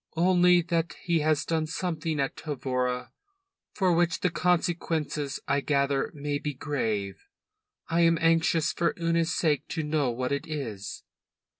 "Only that he has done something at Tavora for which the consequences, I gather, may be grave. I am anxious for Una's sake to know what it is."